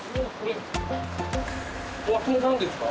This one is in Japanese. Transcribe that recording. それなんですか？